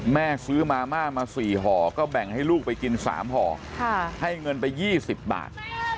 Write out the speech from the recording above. แม่ซื้อมาม่ามา๔ห่อก็แบ่งให้ลูกไปกิน๓ห่อให้เงินไป๒๐บาท